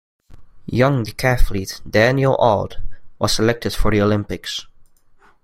Young decathlete Daniel Awde was selected for the Olympics.